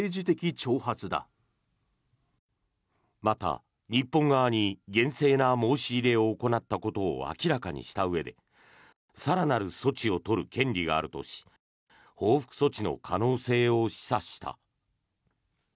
また、日本側に厳正な申し入れを行ったことを明らかにしたうえで更なる措置を取る権利があるとし報復措置の可能性を示唆した。